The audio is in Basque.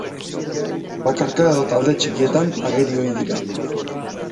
Bakarka edo talde txikietan ageri ohi dira.